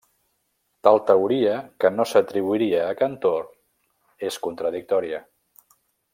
Tal teoria, que no s'atribuiria a Cantor, és contradictòria.